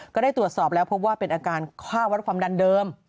ก็ได้ตรวจสอบแล้วพบว่าเป็นอาการฆ่าวัดความดันเดิม